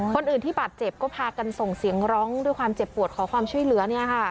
คนอื่นที่บาดเจ็บก็พากันส่งเสียงร้องด้วยความเจ็บปวดขอความช่วยเหลือ